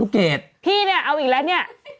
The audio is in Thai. พี่เนี่ยเอาอีกแล้วเนี่ย